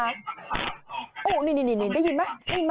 ได้ยินไหมได้ยินไหม